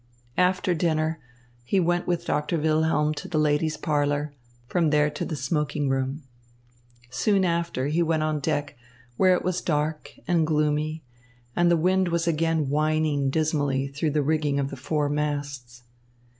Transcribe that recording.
After dinner, he went with Doctor Wilhelm to the ladies' parlour, from there to the smoking room. Soon after, he went on deck, where it was dark and gloomy and the wind was again whining dismally through the rigging of the four masts.